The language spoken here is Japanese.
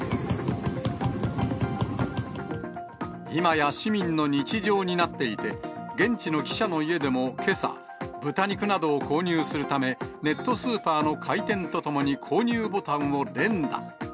今や市民の日常になっていて、現地の記者の家でもけさ、豚肉などを購入するため、ネットスーパーの開店とともに購入ボタンを連打。